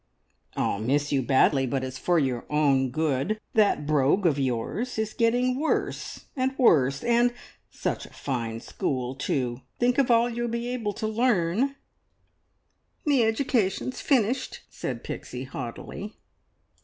"I'll miss you badly, but it's for your own good. That brogue of yours is getting worse and worse. And such a fine school, too! Think of all you will be able to learn!" "Me education's finished," said Pixie haughtily.